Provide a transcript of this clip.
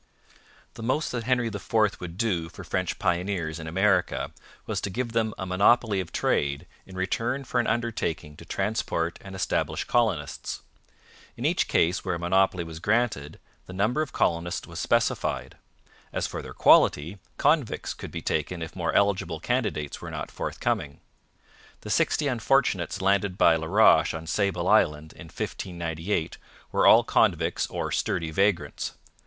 The most that Henry IV would do for French pioneers in America was to give them a monopoly of trade in return for an undertaking to transport and establish colonists. In each case where a monopoly was granted the number of colonists was specified. As for their quality, convicts could be taken if more eligible candidates were not forthcoming. The sixty unfortunates landed by La Roche on Sable Island in 1598 were all convicts or sturdy vagrants.